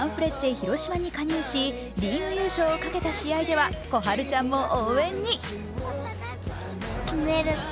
広島に加入しリーグ優勝をかけた試合では心春ちゃんも応援に。